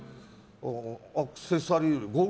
アクセサリー類。